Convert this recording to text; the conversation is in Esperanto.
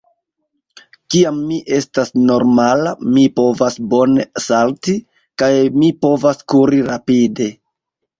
Kiam mi estas normala, mi povas bone salti, kaj mi povas kuri rapide.